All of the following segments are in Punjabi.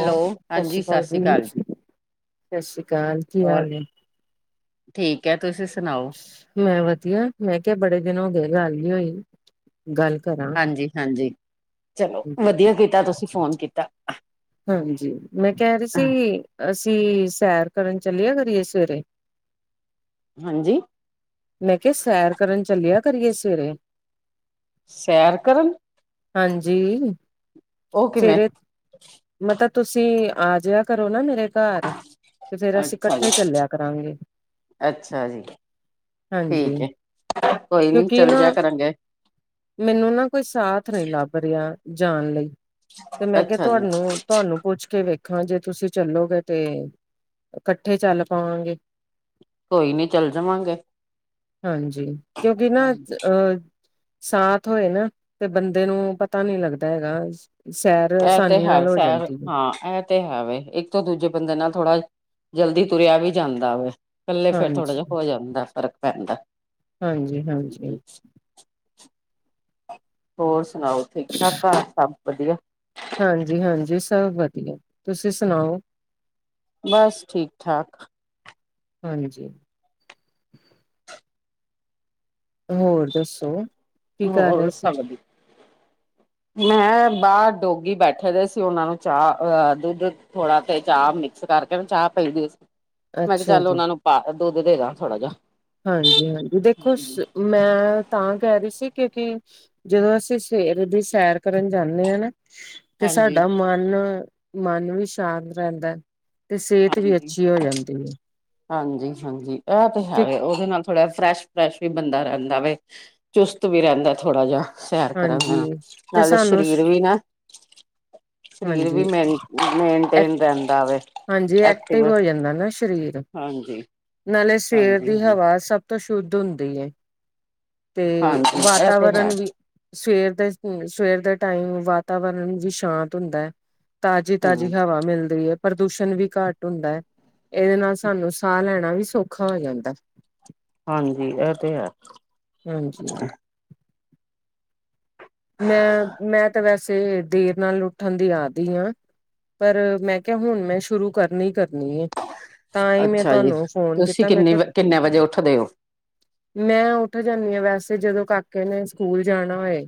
ਹੋ ਹੈਲੋ, ਸਤਿ ਹਾਂਜੀ ਸ਼੍ਰੀ ਸਸਰੀ ਅਕਾਲ ਕਾਲ ਜੀ, ਸਤਿ ਸ੍ਰੀ ਅਕਾਲ ਕੀ ਹੋਰ? ਹਾਲ ਹੈ ਠੀਕ ਐ ਤੁਸੀਂ ਸੁਣਾਓ? ਮੈਂ ਵਦੀਆ ਮੈਂ ਕੇਆ ਬੜੇ ਦਿਨ ਹੋ ਗਏ ਗੱਲ ਨੀ ਹੋਈ‌। ਗੱਲ ਕਰਾਂ ਹਾਂਜੀ-ਹਾਂਜੀ ਚਲੋ ਵਦੀਆ ਕੀਤਾ ਤੁਸੀਂ ਫੋਨ ਕੀਤਾ। ਹਾਂਜੀ, ਮੈਂ ਕਹਿ ਰਹੀ ਸੀ ਅਸੀਂ ਸੈਰ ਕਰਨ ਚੱਲਿਆ ਕਰੀਏ ਸਵੇਰੇ। ਹਾਂਜੀ? ਮੈਂ ਕਿਹਾ ਸੈਰ ਕਰਨ ਚੱਲਿਆ ਕਰੀਏ ਸਵੇਰੇ। ਸੈਰ ਕਰਨ! ਹਾਂਜੀ, ਉਹ ਕਿਵੇਂ ਸਵੇਰੇ ਮਾਤਾ ਤੁਸੀਂ ਆ ਜਾਇਆ ਕਰੋ ਨਾ ਮੇਰੇ ਘਰ ਤੇ ਫੇਰ ਅਸੀਂ ਅੱਛਾ ਜੀ ਇੱਕਠੇ ਚੱਲਿਆ ਕਰਾਂਗੇ। ਅੱਛਾ ਜੀ, ਹਾਂਜੀ ਠੀਕ ਏ, ਕੋਈ ਨੀ ਕਿਉਂਕਿ ਚੱਲ ਨਾ ਜਿਆ ਕਰਾਂਗੇ। ਮੈਨੂੰ ਨਾ ਕੋਈ ਸਾਥ ਨਹੀਂ ਲੱਭ ਰਿਹਾ ਜਾਣ ਲਈ ਤੇ ਮੈਂ ਕਿਹਾ ਅੱਛਾ ਜੀ ਤੁਹਾਨੂੰ ਤੁਹਾਨੂੰ ਪੁੱਛ ਕੇ ਵੇਖਾਂ ਜੇ ਤੁਸੀਂ ਚੱਲੋਗੇ ਤੇ ਇਕੱਠੇ ਚੱਲ ਪਾਵਾਂਗੇ। ਕੋਈ ਨੀ ਚੱਲ ਜਵਾਗੇ। ਹਾਂਜੀ, ਕਿਉਂਕਿ ਨਾ ਚ ਅਹ ਸਾਥ ਹੋਏ ਨਾ ਤੇ ਬੰਦੇ ਨੂੰ ਪਤਾ ਨੀ ਲੱਗਦਾ ਹੈਗਾ। ਸੈਰ ਇਹ ਤੇ ਆਸਾਨੀ ਹੈ ਨਾਲ ਹੋ ਸੈਰ ਜਾਂਦੀ ਐ। ਹਾਂ ਇਹ ਤੇ ਹੈ ਵੇ, ਇੱਕ ਤੋਂ ਦੂਜੇ ਬੰਦੇ ਨਾਲ ਥੋੜਾ ਜਲਦੀ ਤੁਰਿਆ ਵੀ ਜਾਂਦਾ ਵੇ। ਇਕੱਲੇ ਫਿਰ ਥੋੜਾ ਹਾਂਜੀ ਜਿਹਾ ਹੋ ਜਾਂਦਾ ਫ਼ਰਕ ਪੈਂਦਾ। ਹਾਂਜੀ ਹਾਂਜੀ। ਹੋਰ ਸੁਣਾਓ ਠੀਕ ਠਾਕ ਘਰ ਸਭ ਵਧੀਆ? ਹਾਂਜੀ ਹਾਂਜੀ ਸਭ ਵਧੀਆ। ਤੁਸੀਂ ਸੁਣਾਓ? ਬਸ ਠੀਕ ਠਾਕ। ਹਾਂਜੀ। ਹੋਰ ਦੱਸੋ? ਕੀ ਕਰ ਹੋਰ ਰਹੇ ਸਭ ਵਧੀਆ। [inaudible] ਮੈਂ ਬਾਹਰ ਡੋਗੀ ਬੈਠੇ ਦੇ ਸੀ ਉਹਨਾਂ ਨੂੰ ਚਾਹ ਅ ਦੁੱਧ ਥੋੜਾ ਤੇ ਚਾਹ ਮਿਕਸ ਕਰਕੇ ਨਾ ਚਾਹ ਪਈਦੀ ਸੀ। ਮੈਂ ਕਿਹਾ ਅੱਛਾ ਚੱਲ ਜੀ ਉਹਨਾ ਨੂੰ ਪਾ ਦੁੱਧ ਦੇ ਦਾ ਥੋੜਾ ਜਿਹਾ। ਹਾਂਜੀ ਹਾਂਜੀ, ਦੇਖੋ ਸ ਮੈਂ ਤਾਂ ਕਹਿ ਰਹੀ ਸੀ ਕਿਉਂਕਿ ਜਦੋਂ ਅਸੀਂ ਸਵੇਰ ਦੀ ਸੈਰ ਕਰਨ ਜਾਣੇ ਆ ਨਾ ਤੇ ਹਾਂਜੀ ਸਾਡਾ ਮੰਨ ਮੰਨ ਵੀ ਸ਼ਾਂਤ ਰਹਿੰਦਾ। ਤੇ ਸਿਹਤ ਵੀ ਹਾਂਜੀ ਅੱਛੀ ਹੋ ਜਾਂਦੀ ਏ। ਹਾਂਜੀ ਹਾਂਜੀ ਐ ਤੇ ਹੈ ਵੇ, ਉ ਉਹਦੇ ਨਾਲ ਥੋੜ੍ਹਾ ਜਿਹਾ ਫਰੈਸ਼-ਫਰੈਸ਼ ਵੀ ਬੰਦਾ ਰਹਿੰਦਾ ਵੇ, ਚੁਸਤ ਵੀ ਰਹਿੰਦਾ ਥੋੜ੍ਹਾ ਜਿਹਾ। ਸੈਰ ਕਰਨ ਦੇ ਹਾਂਜੀ ਨਾਲ, ਤੇ ਨਾਲੇ ਸਾਨੂੰ ਸਰੀਰ ਵੀ ਨਾ, ਸਰੀਰ ਵੀ ਹਾਂਜੀ ਮੈਨ ਮੇਨਟੇਨ ਰਹਿੰਦਾ ਵੇ। ਹਾਂਜੀ, ਐਕਟਿਵ ਹੋ ਜਾਂਦਾ ਨਾ ਸਰੀਰ। ਹਾਂਜੀ। ਨਾਲੇ ਸਵੇਰ ਹਾਂਜੀ ਦੀ ਹਵਾ ਸਭ ਤੋਂ ਸ਼ੁੱਧ ਹੁੰਦੀ ਏ। ਤੇ ਹਾਂਜੀ ਹਾਂਜੀ ਇਹ ਤੇ ਹੈ ਵਾਤਾਵਰਨ ਵੀ ਸਵੇਰ ਦੇ, ਸਵੇਰ ਦੇ ਟਾਈਮ ਵਾਤਾਵਰਨ ਵੀ ਸ਼ਾਂਤ ਹੁੰਦਾ। ਤਾਜ਼ੀ-ਤਾਜ਼ੀ ਹਮ ਹਵਾ ਮਿਲਦੀ ਐ, ਪ੍ਰਦੂਸ਼ਣ ਵੀ ਘਂਟ ਹੁੰਦਾ ਐ। ਇਹਦੇ ਨਾਲ ਸਾਨੂੰ ਸਾਹ ਲੈਣਾ ਵੀ ਸੌਖਾ ਹੋ ਜਾਂਦਾ। ਹਾਂਜੀ ਐ ਤੇ ਹੈ। ਹਾਂਜੀ ਮੈਂ ਮੈਂ ਤਾਂ ਵੈਸੇ ਦੇਰ ਨਾਲ ਉੱਠਣ ਦੀ ਆਦੀ ਆ। ਪਰ ਮੈਂ ਕਿਹਾ ਹੁਣ ਮੈਂ ਸ਼ੁਰੂ ਕਰਨੀ ਕਰਨੀ ਏ। ਤਾਈ ਮੈਂ ਅੱਛਾ ਜੀ, ਤੁਹਾਨੂੰ ਫੋਨ ਤੁਸੀਂ ਕੀਤਾ ਮੈਂ ਕਿੰਨੇ ਕਿਹਾ ਕਿੰਨੇ ਵਜੇ ਉੱਠਦੇ ਹੋ? ਮੈਂ ਉੱਠ ਜਾਂਨੀ ਆਂ ਵੈਸੇ ਜਦੋਂ ਕਾਕੇ ਨੇ ਸਕੂਲ ਜਾਣਾ ਓਏ।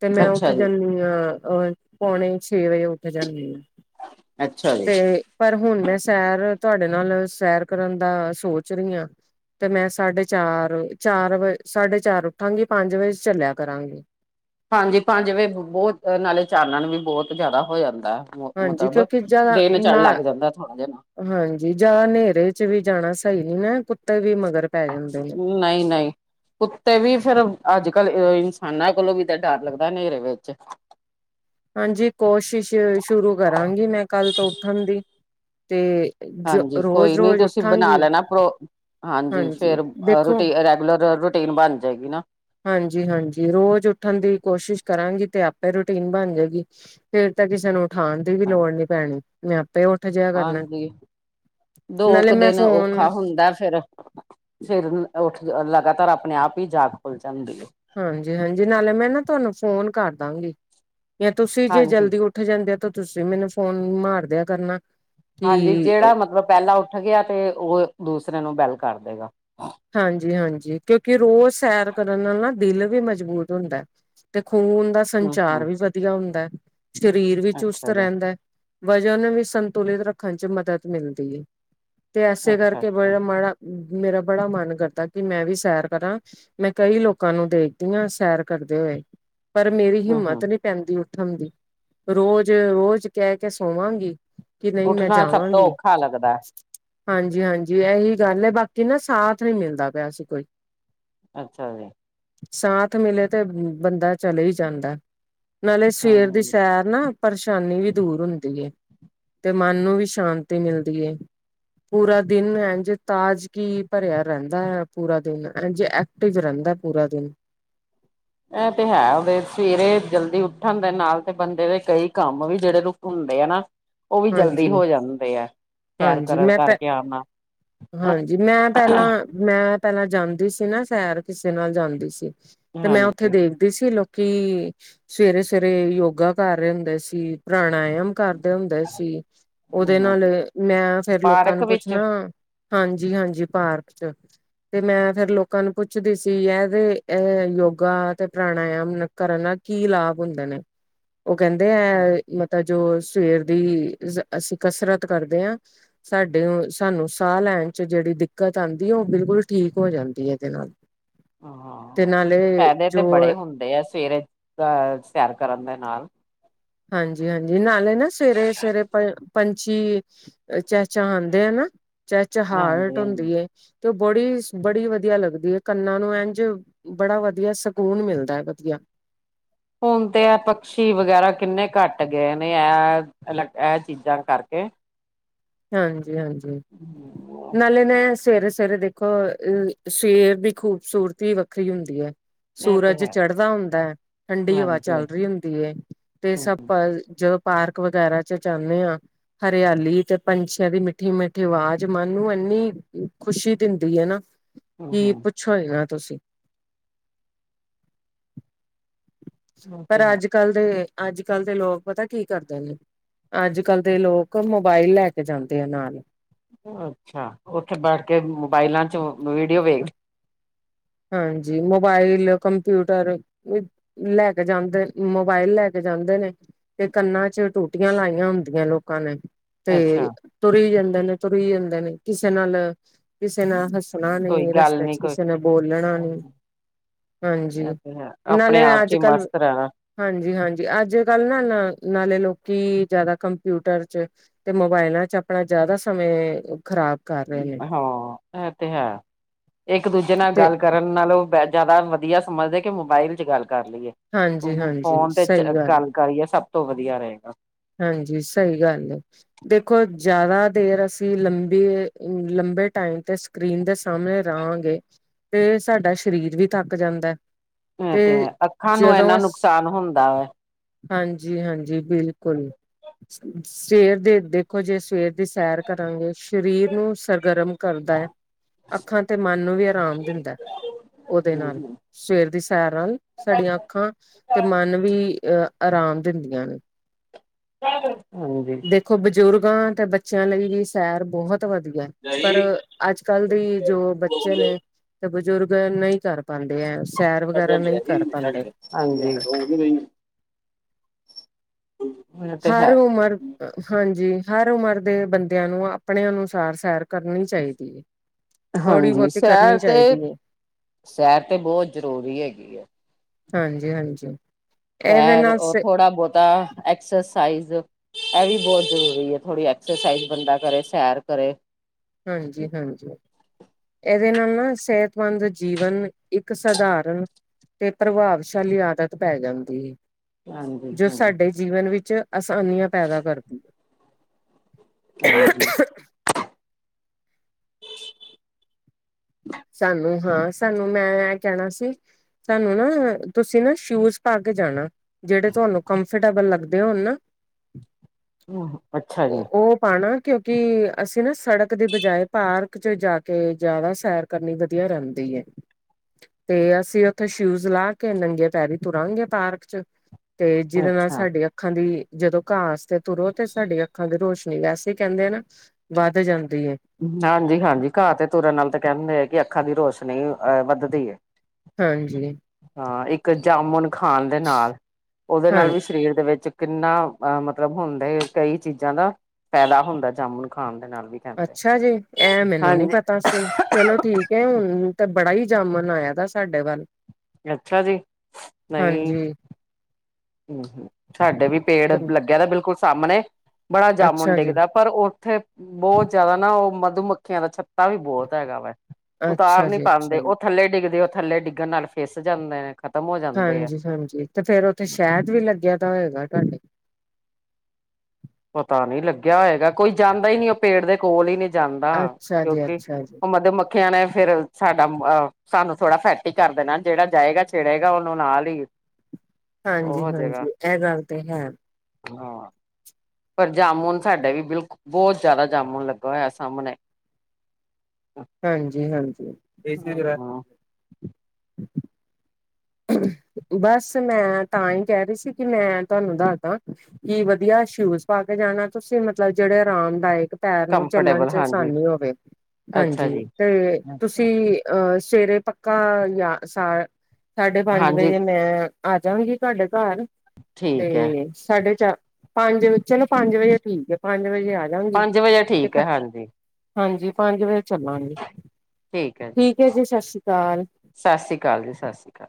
ਤੇ ਮੈਂ ਉੱਠ ਅੱਛਾ ਜੀ, ਜਾਂਨੀ ਆਂ ਅਹ ਪੌਣੇ ਛੇ ਵਜੇ ਉੱਠ ਜਾਂਨੀ ਆਂ। ਅੱਛਾ ਜੀ। ਤੇ ਪਰ ਹੁਣ ਮੈਂ ਸੈਰ ਤੁਆਡੇ ਨਾਲ ਸੈਰ ਕਰਨ ਦਾ ਸੋਚ ਰੀ ਆਂ। ਤੇ ਮੈਂ ਸਾਢੇ ਚਾਰ ਚਾਰ ਵ, ਸਾਢੇ ਚਾਰ ਉੱਠਾਂਗੀ ਪੰਜ ਵਜੇ ਛਲਿਆ ਕਰਾਂਗੀ। ਹਾਂਜੀ ਪੰਜ ਵਜੇ ਬੋਤ ਨਾਲੇ ਚਾਨਣ ਵੀ ਬੋਤ ਜਾਦਾ ਹੋ ਜਾਂਦਾ। ਮੁੱ ਹਾਂਜੀ ਮਤਬ ਕਿਉਂਕਿ ਜ਼ਿਆਦਾ ਦਿਨ ਚੜ ਨਾ ਲੱਗ ਜਾਂਦਾ ਥੋੜਾ ਜਿਨਾ। ਹਾਂਜੀ ਜਾਂ ਨੇਰੇ 'ਚ ਵੀ ਜਾਣਾ ਸਈ ਨੀ ਨਾ ਕੁੱਤੇ ਵੀ ਮਗਰ ਪੈ ਜਾਂਦੇ ਨੇ। ਨਈ - ਨਈ। ਕੁੱਤੇ ਵੀ ਫੇਰ ਅੱਜ ਕੱਲ ਇਨਸਾਨਾਂ ਕੋਲੋਂ ਵੀ ਤਾਂ ਡਰ ਲੱਗਦਾ ਨੇਰੇ ਵਿੱਚ। ਹਾਂਜੀ ਕੋਸ਼ਿਸ਼ ਸ਼ੁਰੂ ਕਰਾਂਗੀ, ਮੈਂ ਕੱਲ ਤੋਂ ਉੱਠਣ ਦੀ ਤੇ ਜੋ ਹਾਂਜੀ ਕੋਈ ਰੋਜ਼ ਨੀ ਰੋਜ਼ ਤੁਸੀਂ ਬਣਾ ਉੱਠਾਂਗੀ ਲੈਣਾ ਪ੍ਰੋ, ਹਾਂਜੀ ਫੇਰ ਰੋਟੀ ਰੈਗੂਲਰ ਰੋਟੀ ਰਟੀਨ ਬਣ ਜੇ ਗੀ ਨਾ। ਹਾਂਜੀ ਹਾਂਜੀ ਰੋਜ਼ ਉੱਠਣ ਦੀ ਕੋਸ਼ਿਸ਼ ਕਰਾਂਗੀ ਤੇ ਆਪੇ ਰੋਟੀਨ ਬਣ ਜੇਗੀ। ਫੇਰ ਤੇ ਕਿਸੇ ਨੂੰ ਉਠਾਣ ਦੀ ਵੀ ਲੋੜ ਨੀ ਪੈਣੀ ਮੈਂ ਆਪੇ ਉੱਠ ਜਿਆ ਕਰਨਾ। ਹਾਂਜੀ -ਦੋ ਨਾਲੇ ਕੁ ਮੈਂ ਦਿਨ ਔਖਾ ਫੋਨ ਹੁੰਦਾ ਫੇਰ ਫੇਰ ਉੱਠ ਲਗਾਤਾਰ ਆਪਣੇ ਆਪ ਈ ਜਾਗ ਖੁੱਲ ਜਾਂਦੀ ਏ। ਹਾਂਜੀ ਹਾਂਜੀ ਨਾਲੇ ਮੈਂ ਨਾ ਤੁਆਨੂੰ ਫੋਨ ਕਰ ਦਾਂਗੀ, ਜਾਂ ਜੇ ਤੁਸੀਂ ਜੇ ਹਾਂਜੀ ਜਲਦੀ ਉੱਠ ਉੱਠ ਜਾਂਦੇ ਆ ਤੇ ਤੁਸੀਂ ਮੈਨੂੰ ਫੋਨ ਮਾਰਦਿਆਂ ਕਰਨਾ। ਹਾਂਜੀ ਕਿ ਜੇੜਾ ਮਤਲਬ ਪੈਲਾਂ ਉੱਠ ਗਿਆ ਤੇ ਓ ਦੂਸਰੇ ਨੂੰ ਬੈਲ ਕਰ ਦੇਗਾ। ਹਾਂਜੀ ਹਾਂਜੀ ਕਿਉਂਕਿ ਰੋਜ਼ ਸ਼ੈਰ ਕਰਨ ਨਾਲ ਨਾ ਦਿਲ ਵੀ ਮਜ਼ਬੂਤ ਹੁੰਦਾ। ਤੇ ਖੂਨ ਦਾ ਹਮ ਸੰਚਾਰ ਹਮ ਵੀ ਵਧੀਆ ਹੁੰਦਾ, ਸਰੀਰ ਵੀ ਚੁਸਤ ਅੱਛਾ ਜੀ ਰੈਂਦਾ। ਵਜ਼ਨ ਨੂੰ ਵੀ ਸੰਤੁਲਿਤ ਰੱਖਣ 'ਚ ਮਦਦ ਮਿਲਦੀ ਏ, ਤੇ ਐਸੇ ਅੱਛਾ ਕਰਕੇ ਅੱਛਾ ਬੜਾ ਮਾੜਾ ਮੇਰਾ ਬੜਾ ਮਨ ਕਰਦਾ ਕੀ ਮੈਂ ਵੀ ਸ਼ੈਰ ਕਰਾਂ। ਮੈਂ ਕਈ ਲੋਕਾਂ ਨੂੰ ਦੇਖਦੀ ਆਂ ਸ਼ੈਰ ਕਰਦੇ ਹੋਏ, ਪਰ ਮੇਰੀ ਹਮ ਹਮ ਹਿੰਮਤ ਨੀ ਪੈਂਦੀ ਉੱਠਣ ਦੀ, ਰੋਜ਼ ਰੋਜ਼ ਕੈ ਕੇ ਸੋਵਾਂਗੀ। ਕੀ ਨਈ ਮੈਂ ਉੱਠਣਾ ਸਭ ਤੋਂ ਜਾਵਾਂਗੀ। ਔਖਾ ਲੱਗਦਾ ਹਾਂਜੀ ਹਾਂਜੀ ਐਹੀ ਗੱਲ ਐ, ਬਾਕੀ ਨਾ ਸਾਥ ਨੀ ਮਿਲਦਾ ਪਿਆ ਸੀ ਕੋਈ। ਅੱਛਾ ਜੀ। ਸਾਥ ਮਿਲੇ ਤੇ ਬੰਦਾ ਚਲੇ ਈ ਜਾਂਦਾ, ਨਾਲੇ ਸਵੇਰ ਦੀ ਹਾਂਜੀ ਸੈਰ ਨਾ ਪਰਸ਼ਾਨੀ ਵੀ ਦੂਰ ਹੁੰਦੀ ਏ, ਤੇ ਮਨ ਨੂੰ ਵੀ ਸ਼ਾਂਤੀ ਮਿਲਦੀ ਏ। ਪੂਰਾ ਦਿਨ ਐਂਂਜ ਤਾਜਗੀ ਭਰਿਆ ਰੈਂਦਾ ਆ ਪੂਰਾ ਦਿਨ, ਐਂਜ ਐਕਟਿਵ ਰੈਂਦਾ ਪੂਰਾ ਦਿਨ। ਐ ਤੇ ਹੈ ਵੇ ਸਵੇਰੇ ਜ਼ਲਦੀ ਉੱਠਣ ਦੇ ਨਾਲ ਤੇ ਬੰਦੇ ਦੇ ਕਈ ਕੰਮ ਵੀ ਜੇੜੇ ਰੁਕ ਹੁੰਦੇ ਆ ਨਾ ਓ ਵੀ ਜ਼ਲਦੀ ਹਾਂਜੀ ਹੋ ਜਾਂਦੇ ਐ, ਸੈਰ ਹਾਂਜੀ ਕਰਨ ਮੈਂ ਪਹਿ ਕਰਕੇ ਆਣ ਨਾਲ। ਹਾਂਜੀ ਮੈਂ ਪੈਲਾਂ ਮੈਂ ਪੈਲਾਂ ਜਾਂਦੀ ਸੀ ਨਾ ਸੈਰ ਕਿਸੇ ਨਾਲ ਜਾਂਦੀ ਸੀ ਤੇ ਮੈਂ ਓਥ ਓਥੇ ਹਾਂਜੀ ਦੇਖਦੇ ਸੀ ਲੋਕੀ ਸਵੇਰੇ ਸਵੇਰੇ ਯੋਗਾ ਕਰ ਰਏ ਹੁੰਦੇ ਸੀ, ਪ੍ਰਣਾਯਮ ਕਰਦੇ ਹੁੰਦੇ ਕੀ ਓਦੇ ਹਮ ਨਾਲ ਮੈਂ ਫੇਰ ਲੋਕਾਂ ਪਾਰਕ ਨੂੰ ਵਿੱਚ ਪੁੱਛਣਾ ਹਾਂਜੀ ਹਾਂਜੀ ਪਾਰਕ 'ਚ। ਤੇ ਮੈਂ ਫੇਰ ਲੋਕਾਂ ਨੂੰ ਪੁੱਛਦੀ ਸੀ ਐਦੇ ਅ ਯੋਗਾ ਤੇ ਪ੍ਰਣਾਯਮ ਕਰਨ ਨਾਲ ਕੀ ਲਾਭ ਹੁੰਦੇ ਨੇ, ਓ ਕੈਂਦੇ ਐ ਮਤਾ ਜੋ ਸਵੇਰ ਦੀ ਜ ਅਸੀਂ ਕਸਰਤ ਕਰਦੇ ਆਂ। ਸਾਡੇ ਓ ਸਾਨੂੰ ਸਾਹ ਲੈਣ 'ਚ ਜੇੜੀ ਦਿੱਕਤ ਆਂਦੀ, ਓ ਬਿਲਕੁਲ ਠੀਕ ਹੋ ਜਾਂਦੀ ਏਦੇ ਨਾਲ। ਤੇ ਨਾਲੇ ਜੋ ਤੂ ਐ ਸਵੇਰੇ ਅਹ ਸੈਰ ਕਰਨ ਦੇ ਨਾਲ ਹਾਂਜੀ ਹਾਂਜੀ ਨਾਲੇ ਨਾ ਸਵੇਰੇ- ਸਵੇਰੇ ਪੰ-ਪੰਛੀ ਚੀ ਚਹਿ ਚਹਾਂਦੇ ਆ ਨਾ ਚਹਿਚਹਾਰਟ ਹਾਂਜੀ ਹਾਂਜੀ ਹੁੰਦੀ ਐ। ਤੇ ਉਹ ਬੜੀ- ਬੜੀ ਵਧੀਆ ਲੱਗਦੀ ਹੈ ਕੰਨਾਂ ਨੂੰ ਇੰਝ ਬੜਾ ਵਧੀਆ ਸਕੂਨ ਮਿਲਦਾ ਹੈ ਵਧੀਆ। ਹੁਣ ਤੇ ਐ ਪਕਸ਼ੀ ਵਗੈਰਾ ਕਿੰਨੇ ਘੱਟ ਗਏ ਨੇ ਐ ਅੱਲਗ ਐਹ ਚੀਜ਼ਾਂ ਕਰਕੇ ਹਾਂਜੀ ਹਾਂਜੀ। [inaudible] ਨਾਲੇ ਮੈ ਸਵੇਰੇ- ਸਵੇਰੇ ਦੇਖੋਂ ਅ ਸ਼ੇਵਰ ਦੀ ਖੂਬਸੂਰਤੀ ਵੱਖਰੀ ਹੁੰਦੀ ਐ। ਇਹ ਤੇ ਸੂਰਜ ਹੈ ਚੜ੍ਹਦਾ ਹੁੰਦਾ ਹੈ ਠੰਡੀ ਹਵਾ ਹਾਂਜੀ ਚੱਲ ਰਹੀ ਹੁੰਦੀ ਏ, ਤੇ ਸਭ ਹੂੰ ਭੱਜ ਜੋ ਪਾਰਕ ਵਗੈਰਾ ਚ ਜਾਨੇ ਆ, ਹਰਿਆਲੀ ਚ ਪੰਛੀਆਂ ਦੀ ਮਿੱਠੀ- ਮਿੱਠੀ ਆਵਾਜ਼ ਮਨ ਨੂੰ ਇੰਨੀ ਖ਼ੁਸ਼ੀ ਦਿੰਦੀ ਏ ਨਾ ਕੀ ਹੂੰ ਪੁੱਛਾਂ ਈ ਨਾ ਤੁਸੀਂ ਹੂੰ ਪਰ ਤੇ ਅੱਜ ਹੈ ਅੱਜ-ਕੱਲ ਦੇ ਅੱਜ- ਕੱਲ ਦੇ ਲੋਕ ਪਤਾ ਕੀ ਕਰਦੇ ਨੇ ਅੱਜ- ਕੱਲ ਦੇ ਲੋਕ ਮੋਬਾਇਲ ਲੈ ਕੇ ਜਾਂਦੇ ਆ ਨਾਲ ਅੱਛਾ ਉੱਥੇ ਬੈਠ ਕੇ ਮੋਬਾਇਲਾਂ ਚ ਵੀਡੀਓ ਵੇਖ ਹਾਂ ਜੀ। ਮੋਬਾਇਲ, ਕੰਪਿਊਟਰ ਲੈ ਕੇ ਜਾਂਦੇ ਮੋਬਾਇਲ ਲੈ ਕੇ ਜਾਂਦੇ ਨੇ ਤੇ ਕੰਨਾਂ ਚ ਟੂਟੀਆਂ ਲਾਈਆਂ ਹੁੰਦੀਆਂ ਲੋਕਾਂ ਨੇ ਅੱਛਾ ਤੇ ਤੁਰੀ ਜਾਂਦੇ ਨੇ, ਤੁਰੀ ਜਾਂਦੇ ਨੇ, ਕਿਸੇ ਨਾਲ ਕਿਸੇ ਨਾਲ ਹੱਸ ਹੱਸਣਾ ਕੋਈ ਨੀ ਗੱਲ ਰਸਤੇ ਨੀ 'ਚ ਕੋਈ ਕਿਸੇ ਨੇ ਬੋਲਣਾ ਨੀ, ਹਾਂ ਜੀ ਇਹ ਤੇ ਹੈ ਨਾਲੇ ਆਪਣੇ ਆਪ ਚ ਅੱਜ- ਹੀ ਕੱਲ ਮਸਤ ਰਹਿਣਾ ਹਾਂਜੀ ਹਾਂਜੀ। ਅੱਜ-ਕੱਲ੍ਹ ਨਾ ਨਾਲੇ ਲੋਕੀ ਜਿਆਦਾ ਕੰਪਿਊਟਰ ਚ ਤੇ ਮੋਬਾਇਲਾਂ 'ਚ ਆਪਣਾ ਜ਼ਿਆਦਾ ਸਮੇ ਖ਼ਰਾਬ ਕਰ ਰਹੇ ਨੇ ਹਾਂ ਐਹ ਤੇ ਹੈ। ਇੱਕ ਦੂਜੇ ਨਾਲ ਤੇ ਗੱਲ ਕਰਨ ਨਾਲੋਂ ਬ ਜ਼ਿਆਦਾ ਵਧੀਆ ਸਮਝਦੇ ਕਿ ਮੋਬਾਈਲ 'ਚ ਗੱਲ ਕਰ ਲਈਏ ਹਾਂਜੀ ਹਾਂਜੀ ਫੋਨ ਵਿੱਚ ਸਹੀ ਗੱਲ ਕਰੀਏ ਸਭ ਤੋਂ ਵਧੀਆ ਰਹੇਗਾ। ਹਾਂ ਜੀ ਸਹੀ ਗੱਲ ਏ। ਦੇਖੋ ਜਿਆਦਾ ਦੇਰ ਅਸੀਂ ਲੰਬੇ ਅ ਲੰਬੇ ਟਾਈਮ ਤੇ ਸ ਸਕਰੀਨ ਦੇ ਸਾਹਮਣੇ ਰਹਾਂਗੇ, ਫੇਰ ਸਾਡਾ ਸਰੀਰ ਵੀ ਥੱਕ ਜਾਂਦਾ। ਤੇ ਇਹਤੇ ਐ ਅੱਖਾਂ ਨੂੰ ਇੰਨਾ ਨੁਕਸਾਨ ਹੁੰਦਾ ਐ। ਹਾਂ ਜੀ ਹਾਂ ਜੀ ਬਿਲਕੁਲ। ਸਵੇਰ ਦੇ ਦੇਖੋ ਜੇ ਸਵੇਰ ਦੀ ਸੈਰ ਕਰਾਂਗੇ, ਸਰੀਰ ਨੂੰ ਸਰਗਰਮ ਕਰਦਾ ਐ। ਅੱਖਾਂ ਤੇ ਮਨ ਨੂੰ ਵੀ ਆਰਾਮ ਦਿੰਦਾ ਉਹਦੇ ਨਾਲ। ਹਾਂਜੀ। ਸਵੇਰ ਦੀ ਸੈਰ ਨਾਲ ਸਾਡੀਆਂ ਅੱਖਾਂ ਤੇ ਮਨ ਵੀ ਅ ਆਰਾਮ ਦਿੰਦੀਆਂ ਨੇ। ਹਾਂ ਜੀ। ਦੇਖੋ, ਬਜ਼ੁਰਗਾਂ ਤੇ ਬੱਚਿਆਂ ਲਈ ਵੀ ਸੈਰ ਬਹੁਤ ਵਧੀਆ। ਪਰ ਅੱਜ -ਕੱਲ ਦੀ ਜੋ ਬੱਚੇ ਨੇ ਤੇ ਬਜ਼ੁਰਗ ਨਈ ਕਰ ਪਾਦੇ ਐ, ਸੈਰ ਵਗੈਰਾ ਨਈ ਕਰ ਪਾਦੇ। ਹਾਂ ਜੀ। ਹੋਰ ਵਧੀਆ [unintelligible] ਤੇ ਹੈ ਹਰ ਉਮਰ ਅ ਹਾਂ ਜੀ। ਹਰ ਉਮਰ ਦੇ ਬੰਦਿਆਂ ਨੂੰ ਆਪਣੇ ਅਨੁਸਾਰ ਸੈਰ ਕਰਨੀ ਚਾਈਦੀ ਏ। ਹਾਂ ਜੀ, ਸੈਰ ਤੇ ਹੈ ਸੈਰ ਤੇ ਬਹੁਤ ਜ਼ਰੂਰੀ ਹੈਗੀ ਐ। ਹਾਂਜੀ ਹਾਂਜੀ। ਇਹਦੇ ਸੈਰ ਨਾਲ ਉਹ ਥੋੜਾ ਬੋਤਾ ਐਕਸਰਸਾਈਜ਼ ਐਹ ਵੀ ਬਹੁਤ ਜ਼ਰੂਰੀ ਐ ਥੋੜ੍ਹੀ ਐਕਸਰਸਾਈਜ਼ ਬੰਦਾ ਕਰੇ ਸੈਰ ਕਰੇ। ਹਾਂਜੀ-ਹਾਂਜੀ। ਇਹਦੇ ਨਾਲ ਨਾ ਸਿਹਤਮੰਦ ਜੀਵਨ ਇੱਕ ਸਧਾਰਨ ਤੇ ਪ੍ਰਭਾਵਸ਼ਾਲੀ ਆਦਤ ਪੈ ਜਾਂਦੀ ਏ। ਹਾਂਜੀ ਜੋ ਹਾਂਜੀ ਸਾਡੇ ਜੀਵਨ ਵਿੱਚ ਆਸਾਨੀਆਂ ਪੈਦਾ ਕਰਦੀ ਏ। ਹਾਂਜੀ। [inaudible] ਸਾਨੂੰ ਹਾਂ ਸਾਨੂੰ ਮੈਂ ਐਹ ਐਹ ਕਹਿਣਾ ਸੀ ਤੁਹਾਨੂੰ ਨਾ ਤੁਸੀਂ ਨਾ ਸ਼ੂਜ ਪਾ ਕੇ ਜਾਣਾ ਜਿਹੜੇ ਤੁਹਾਨੂੰ ਕੰਫਰਟੇਬਲ ਲੱਗਦੇ ਹੋਣ ਨਾ ਅੱਛਾ ਜੀ ਉਹ ਪਾਣਾ। ਕਿਉਂਕਿ ਅਸੀਂ ਨਾ ਸੜਕ ਦੇ ਬਜਾਏ ਪਾਰਕ ਚ ਜਾ ਕੇ ਜਿਆਦਾ ਸੈਰ ਕਰਨੀ ਵਧੀਆ ਰਹਿੰਦੀ ਏ। ਤੇ ਅਸੀਂ ਉੱਥੇ ਸ਼ੂਜ ਲਾ ਕੇ ਨੰਗੇ ਪੈਰੀ ਤੁਰਾਂਗੇ ਪਾਰਕ ਚ। ਤੇ ਜਿਹਦੇ ਨਾਲ ਅੱਛਾ। ਸਾਡੀਆਂ ਅੱਖਾਂ ਦੀ ਜਦੋਂ ਘਾਸ ਤੇ ਤੁਰੋ ਤੇ ਸਾਡੀ ਅੱਖਾਂ ਦੀ ਰੋਸ਼ਨੀ ਵੈਸੇ ਹੀ ਕਹਿੰਦੇ ਆ ਨਾ ਵੱਧ ਜਾਂਦੀ ਏ। ਹਾਂਜੀ ਹਾਂਜੀ ਘਾਹ ਤੇ ਤੁਰਨ ਨਾਲ ਤੇ ਕਹਿੰਦੇ ਐ ਕਿ ਅੱਖਾਂ ਦੀ ਰੋਸ਼ਨੀ ਅਹ ਵੱਧਦੀ ਏ। ਹਾਂਜੀ। ਹਾਂ ਇੱਕ ਜਾਮੁਨ ਖਾਣ ਦੇ ਨਾਲ ਉਹਦੇ ਹਾਂ ਨਾਲ ਵੀ। ਸਰੀਰ ਦੇ ਵਿੱਚ ਕਿੰਨਾ ਅ ਮਤਲਬ ਹੁੰਦਾ ਕਈ ਚੀਜ਼ਾਂ ਦਾ। ਫੈਦਾ ਹੁੰਦਾ ਜਾਮੁਨ ਖਾਣ ਦੇ ਨਾਲ ਵੀ। ਕਹਿੰਦੇ ਅੱਛਾ, ਜੀ ਐ ਮੈਨੂੰ ਨੀ ਹਾਂਜੀ ਪਤ ਤਾ ਸੀ ਚਲੋ ਠੀਕ ਐ ਹੁਣ ਤੇ ਬੜਾ ਹੀ ਜਾਮਨ ਆਇਆ ਦਾ ਸਾਡੇ ਵੱਲ। ਅੱਛਾ, ਜੀ ਨਹੀਂ। ਹਾਂਜੀ ਹੂੰ, ਹੂੰ ਸਾਡੇ ਵੀ ਪੇੜ ਲੱਗਿਆ ਦਾ ਬਿਲਕੁਲ ਸਾਹਮਣੇ ਬੜਾ ਜਾਮੁਨ ਅੱਛਾ ਜੀ ਡਿੱਗਦਾ। ਪਰ ਉੱਥੇ ਬਹੁਤ ਜਿਆਦਾ ਨਾ ਉਹ ਮਧੂਮੱਖੀਆਂ ਦਾ ਛੱਤਾ ਵੀ ਬਹੁਤ ਹੈਗਾ ਵੇ। ਉਤਾਰ ਅੱਛਾ ਨੀ ਜੀ ਅੱਛਾ ਪਾਂਦੇ ਜੀ ਉਹ ਥੱਲੇ ਡਿੱਗਦੇ ਉਹ ਥੱਲੇ ਡਿੱਗਣ ਨਾਲ ਫਿਸ ਜਾਂਦੇ ਨੇ। ਖ਼ਤਮ ਹੋ ਜਾਂਦੇ ਆ ਹਾਂਜੀ ਹਾਂਜੀ ਤੇ ਫੇਰ ਉੱਥੇ ਸ਼ਹਿਦ ਵੀ ਲੱਗਿਆ ਦਾ ਹੋਏਗਾ ਤੁਹਾਡੇ। ਪਤਾ ਨੀ ਲੱਗਿਆ ਹੋਏਗਾ ਕੋਈ ਜਾਂਦਾ ਹੀ ਨੀ ਉਹ ਪੇੜ ਦੇ ਕੋਲ ਹੀ ਨੀਂ ਜਾਂਦਾ, ਅੱਛਾ ਜੀ ਕਿਉਂਕਿ ਅੱਛਾ ਜੀ ਉਹ ਮਧੂਮੱਖੀ ਕਹਿਣਾ ਫੇਰ ਸਾਡਾ ਅ ਸਾਨੂੰ ਥੋੜਾ ਫੈਟੀ ਕਰ ਦੇਣਾ ਜਿਹੜਾ ਜਾਏਗਾ ਛੇੜੇਗਾ ਉਹਨੂੰ ਨਾਲ ਹੀ। ਉਹ ਹਾਂਜੀ, ਹੋ ਜਾਏਗਾ ਹਾਂਜੀ ਏਹ ਗੱਲ ਤੇ ਹੈ। ਹਾਂ। ਪਰ ਜਾਮੁਨ ਸਾਡੇ ਵੀ ਬਿਲਕ ਬਹੁਤ ਜਾਮੁਨ ਲੱਗਾ ਹੋਇਆ ਸਾਹਮਣੇ। ਹਾਂਜੀ ਹਾਂਜੀ ਏਸੇ [unintelligible] ਬਸ ਮੈਂ ਤਾਂ ਹੀ ਕਹਿ ਰਹੀ ਸੀ ਕਿ ਮੈਂ ਤੁਹਾਨੂੰ ਦੱਸਦਾ। ਕੀ ਵਧੀਆ ਸ਼ੂਜ ਪਾ ਕੇ ਜਾਣਾ ਤੁਸੀਂ ਮਤਲਬ ਜਿਹੜੇ ਆਰਾਮਦਾਇਕ ਪੈਰ ਨੂੰ ਚੱਲਣ ਕੰਫਰਟੇਬਲ ਚ ਹਾਂਜੀ ਅਸਾਨੀ ਹੋਵੇ, ਅੱਛਾ ਹਾਂਜੀ ਜੀ ਤੇ ਤੁਸੀਂ ਅਹ ਸਵੇਰੇ ਪੱਕਾ ਯਾ ਸਾ। ਸਾਢੇ ਪੰਜ ਹਾਂਜੀ ਵਜੇ ਮੈਂ ਆਜਾਂਗੀ ਤੁਹਾਡੇ ਘਰ ਤੇ ਠੀਕ ਹੈ ਸਾਢੇ ਚਾਰ ਪੰਜ ਚਲੋ ਪੰਜ ਵਜੇ ਠੀਕ ਐ ਪੰਜ ਵਜੇ ਆਜਾਂਗੀ ਪੰਜ ਵਜੇ ਤੇ ਠੀਕ ਹੈ ਹਾਂਜੀ, ਪੰਜ ਵਜੇ ਚੱਲਾਂਗੇ ਠੀਕ ਐ ਜੀ ਸਸ ਸ੍ਰੀ ਕਾਲ। ਸਸ ਸ੍ਰੀ ਕਾਲ ਜੀ ਸਸ ਸ੍ਰੀ ਕਾਲ।